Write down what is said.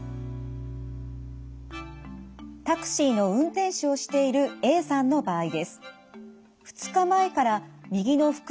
タクシーの運転手をしているＡさんの場合です。